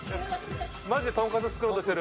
マジでトンカツ作ろうとしてる。